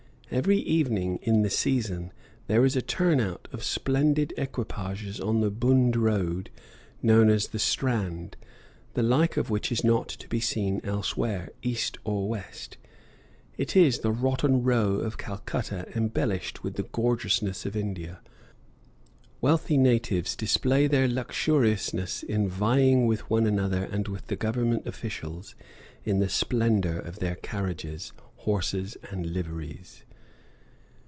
Every evening in "the season" there is a turn out of splendid equipages on the bund road known as the Strand, the like of which is not to be seen elsewhere, East or West. It is the Rotten Row of Calcutta embellished with the gorgeousness of India. Wealthy natives display their luxuriousness in vying with one another and with the government officials in the splendor of their carriages, horses, and liveries.